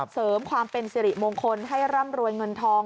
เสริมความเป็นสิริมงคลให้ร่ำรวยเงินทอง